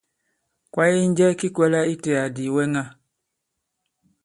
Kwaye ki njɛ ki kwɛ̄lā itē àdì ìwɛŋa?